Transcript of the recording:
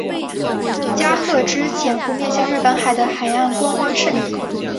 加贺之潜户面向日本海的海岸观光胜地。